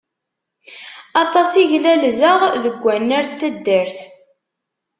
Aṭas i glalzeɣ deg wannar n taddart.